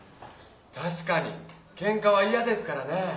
たしかにケンカはいやですからね。